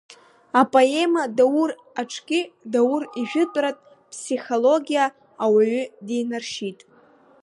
Апоема Даур аҿгьы Даур ижәытәратә ԥсихологиа ауаҩы динаршьит.